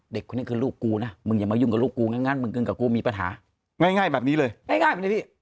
เด็กคนนี้คือลูกกูนะมึงอย่ามายุ่งกับลูกกูงั้นมึงกับกูมีปัญหาง่ายแบบนี้เลย